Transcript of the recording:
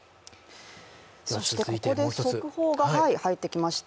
そして、ここで速報が入ってきました。